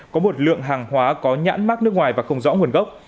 có một lượng hàng hóa có nhãn mát nước ngoài và không rõ nguồn gốc